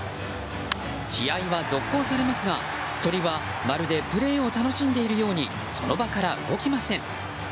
試合は続行されますが、鳥はまるでプレーを楽しんでいるようにその場から動きません。